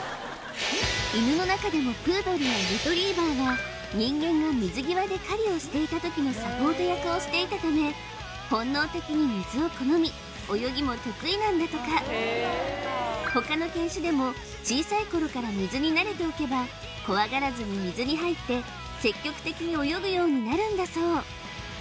犬の中でもプードルやレトリーバーは人間が水際で狩りをしていた時のサポート役をしていたため本能的に水を好み泳ぎも得意なんだとか他の犬種でも小さい頃から水に慣れておけば怖がらずに水に入って積極的に泳ぐようになるんだそう